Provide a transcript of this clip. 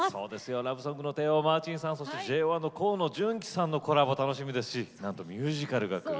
ラブソングの帝王マーチンさんそしてＪＯ１の河野純喜さんのコラボ楽しみですしなんとミュージカルが来る。